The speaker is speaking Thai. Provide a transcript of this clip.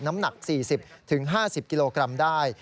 น้ำหนัก๔๐๕๐กิโลกรัมได้